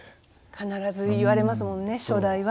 必ず言われますもんね「初代はこうだった」。